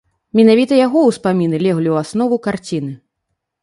Менавіта яго ўспаміны леглі ў аснову карціны.